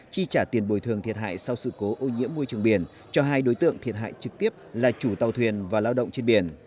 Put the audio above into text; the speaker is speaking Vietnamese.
chi trả tiền bồi thường thiệt hại sau sự cố ô nhiễm môi trường biển cho hai đối tượng thiệt hại trực tiếp là chủ tàu thuyền và lao động trên biển